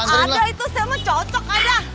ada itu saya mau cocok ada